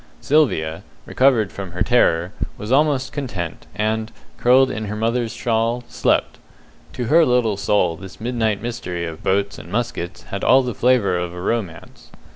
Sylvia, recovered from her terror, was almost content, and, curled in her mother's shawl, slept. To her little soul this midnight mystery of boats and muskets had all the flavour of a romance.